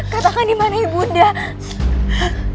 katakan dimana ibu nara